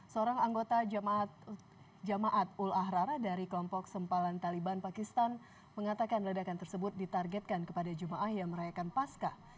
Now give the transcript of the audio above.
seorang anggota jamaatul ahrar dari kelompok sempalan taliban pakistan mengatakan ledakan tersebut ditargetkan kepada jum'ah yang merayakan pascah